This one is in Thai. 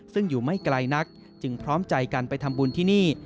ซึ่งอยู่ไม่ไกลนักจึงพร้อมใจกันไปทำบุญที่นี่